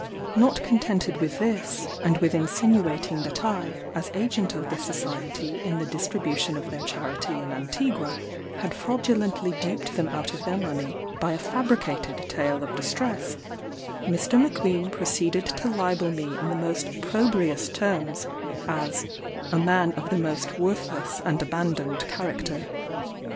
Not contented with this, and with insinuating that I, as agent of the society in the distribution of their charity in Antigua, had fraudulently duped them out of their money by a fabricated tale of distress, Mr. M'Queen proceeded to libel me in the most opprobrious terms, as "a man of the most worthless and abandoned character."